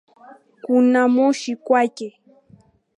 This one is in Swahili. Kuna moshi kwake